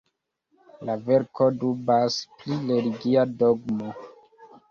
La verko dubas pri religia dogmo.